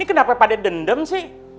kenapa pada dendam sih